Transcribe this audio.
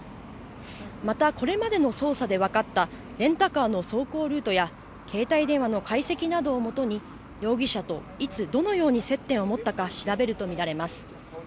またこれまでの捜査で分かったレンタカーの走行ルートや携帯電話の解析などをもとに容疑者といつ、どのように接点を持ったか調べると見られます。